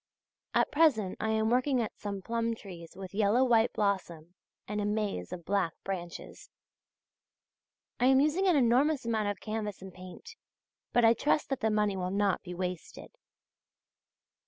At present I am working at some plum trees with yellow white blossom and a maze of black branches. I am using an enormous amount of canvas and paint; but I trust that the money will not be wasted.